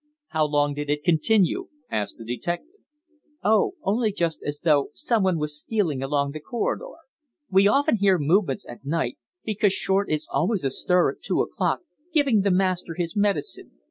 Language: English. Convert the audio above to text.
"How long did it continue?" asked the detective. "Oh, only just as though someone was stealing along the corridor. We often hear movements at nights, because Short is always astir at two o'clock, giving the master his medicine.